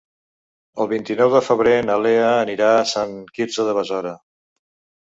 El vint-i-nou de febrer na Lea anirà a Sant Quirze de Besora.